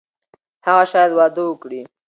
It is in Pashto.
هغه شاید واده وکړي.